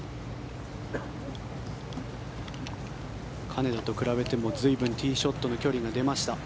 金田と比べても随分、ティーショットの距離が出ました。